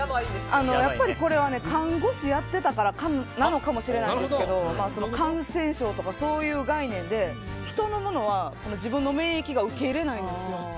やっぱりこれは看護師をやっていたからかもしれませんが感染症とかそういう概念で人のものは自分の免疫が受け入れないんですよ。